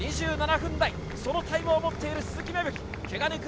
２７分台、そのタイムを持っている鈴木芽吹。